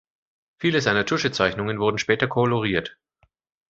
Viele seiner Tuschezeichnungen wurden später koloriert.